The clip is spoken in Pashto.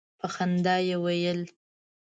په خندا یې ویل.